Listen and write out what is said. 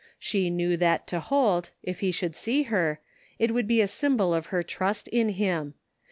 She knew that to Holt, if he should see her, it would be a symbol of her trust in him.